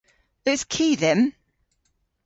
Eus ki dhymm?